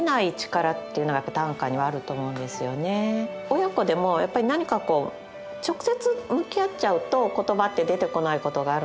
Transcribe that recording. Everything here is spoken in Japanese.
親子でもやっぱり何かこう直接向き合っちゃうと言葉って出てこないことがあるんですけれども